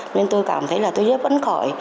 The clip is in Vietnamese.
nên tôi cảm thấy là tôi rất vấn khởi